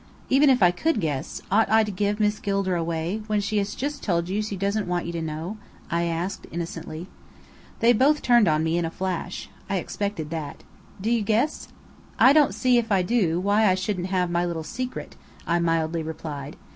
"Even if I could guess, ought I to give Miss Gilder away, when she has just told you she doesn't want you to know?" I asked innocently. They both turned on me in a flash. (I expected that.) "Do you guess?" "I don't see, if I do, why I shouldn't have my little secret," I mildly replied.